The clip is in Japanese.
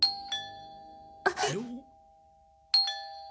あっ。